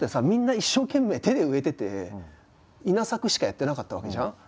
みんな一生懸命手で植えてて稲作しかやってなかったわけじゃん。